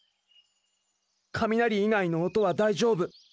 雷以外の音は大丈夫。